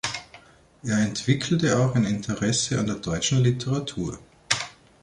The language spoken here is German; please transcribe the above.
Er entwickelte auch ein Interesse an der deutschen Literatur.